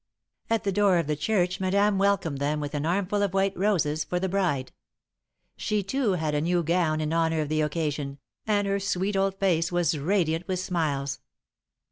At the door of the church Madame welcomed them with an armful of white roses for the bride. She, too, had a new gown in honour of the occasion, and her sweet old face was radiant with smiles.